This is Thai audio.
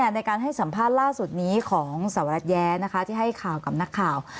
ในการให้สัมภาษณ์ล่าสุดนี้ของสหรัฐแย้ที่ให้ข่าวกับนักข่าว